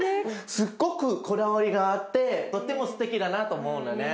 すっごくこだわりがあってとってもすてきだなと思うんだね。